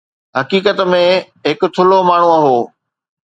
حقيقت ۾ هو هڪ ٿلهو ماڻهو هو.